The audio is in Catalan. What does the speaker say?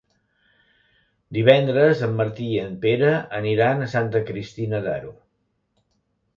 Divendres en Martí i en Pere aniran a Santa Cristina d'Aro.